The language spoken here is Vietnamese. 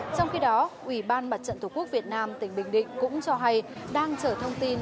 trong khi đó ủy ban mặt trận tổ quốc việt nam tỉnh bình định cũng cho hay đang chở thông tin